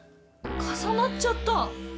かさなっちゃった。